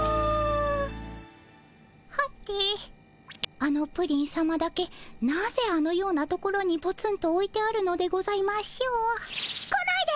あのプリンさまだけなぜあのような所にポツンとおいてあるのでございましょう？来ないで！